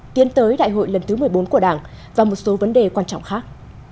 tiến tới đại hội lần thứ một mươi bốn của đảng và một số vấn đề quan trọng khác